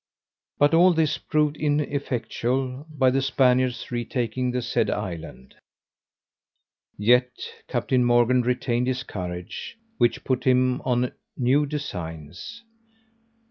But all this proved ineffectual, by the Spaniards retaking the said island: yet Captain Morgan retained his courage, which put him on new designs.